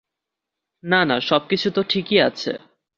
না না, সব কিছুতো ঠিকই আছে।